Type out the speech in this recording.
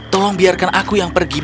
tolong biarkan aku yang pergi bukan kau